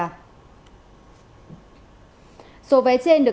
số vé trên được các cò vé mua từ ban tổ chức